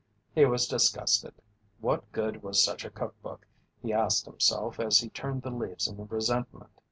He was disgusted. What good was such a cook book, he asked himself as he turned the leaves in resentment.